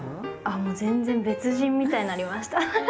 全然別人みたいになりました。